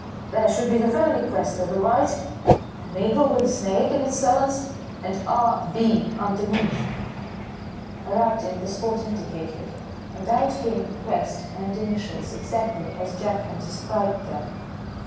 There should be the family crest to the right an eagle with a snake in its talons and R. B. underneath." I rubbed in the spot indicated, and out came the crest and initials exactly as Jack had described them.